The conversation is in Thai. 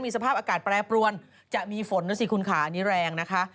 สภาพอากาศแปรปรวนจะมีฝนนะสิคุณค่ะอันนี้แรงนะคะ